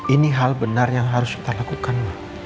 ini hal benar yang harus kita lakukan